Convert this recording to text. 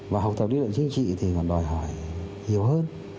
và học tập lý luận chính trị thì nó đòi hỏi nhiều hơn